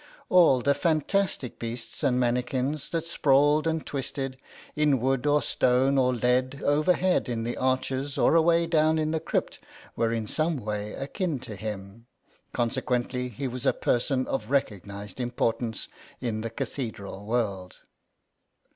All the fantastic beasts and manikins that sprawled and twisted in wood or stone or lead overhead in the arches or away down in the crypt were in some way akin to him ; consequently he was a person of recognised importance in the cathedral world.